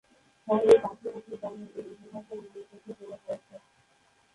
শহরের পার্শ্ববর্তী গ্রামে এই উপভাষার উল্লেখযোগ্য প্রভাব রয়েছে।